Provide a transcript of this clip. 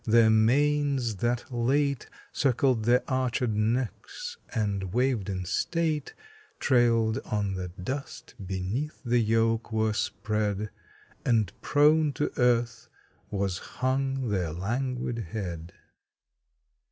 Their manes, that late Circled their arched necks, and waved in state, Trail'd on the dust beneath the yoke were spread, And prone to earth was hung their languid head.